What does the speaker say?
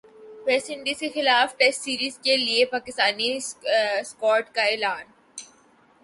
waste انڈیزکےخلاف test series کے لیےپاکستانی اسکواڈ کا اعلان